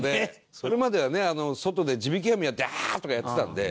それまではね外で地引き網やって「ああー！」とかやってたんで。